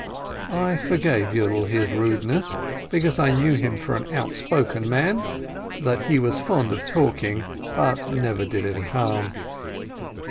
I forgave Yiidel his rudeness, because I knew him for an outspoken man, that he was fond of talking, but never did any harm.